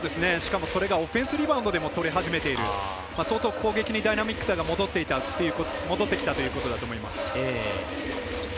しかも、それがオフェンスリバウンドでも取れ始めている相当、攻撃にダイナミックさが戻ってきたということだと思います。